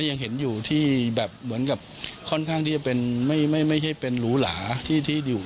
ยังเห็นอยู่ที่แบบเหมือนกับค่อนข้างที่จะเป็นไม่ใช่เป็นหรูหลาที่อยู่